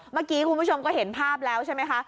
เมื่อกี้คุณผู้ชมก็เห็นภาพแล้วใช่ไหมคะ